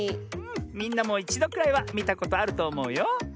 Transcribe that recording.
みんなもいちどくらいはみたことあるとおもうよ。